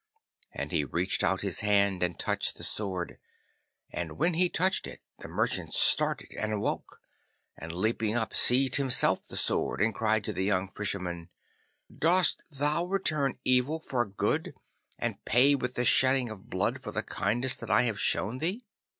And he reached out his hand and touched the sword, and when he touched it the merchant started and awoke, and leaping up seized himself the sword and cried to the young Fisherman, 'Dost thou return evil for good, and pay with the shedding of blood for the kindness that I have shown thee?